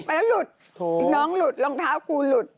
ไปแล้วหลุดน้องหลุดรองเท้าครูหลุด